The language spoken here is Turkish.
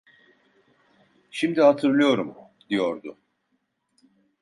"Şimdi hatırlıyorum!" diyordu.